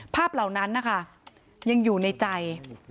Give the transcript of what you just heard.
เหล่านั้นนะคะยังอยู่ในใจ